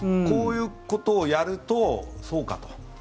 こういうことをやるとそうかと。